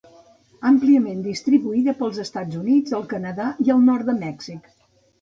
Àmpliament distribuïda pels Estats Units, el Canadà i el nord de Mèxic.